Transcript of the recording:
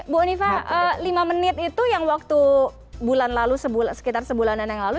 bu oniva lima menit itu yang waktu bulan lalu sekitar sebulanan yang lalu